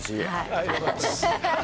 ありがとうございます。